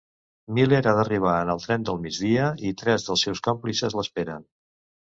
Miller ha d'arribar en el tren del migdia i tres dels seus còmplices l'esperen.